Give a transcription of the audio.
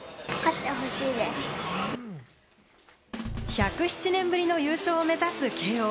１０７年ぶりの優勝を目指す慶應。